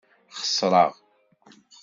Xesreɣ.